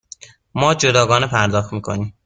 ما جداگانه پرداخت می کنیم.